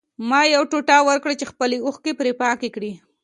ما یو ټوټه ورکړه چې خپلې اوښکې پرې پاکې کړي